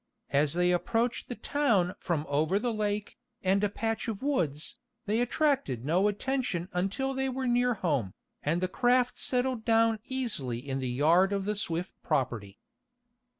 As they approached the town from over the lake, and a patch of woods, they attracted no attention until they were near home, and the craft settled down easily in the yard of the Swift property.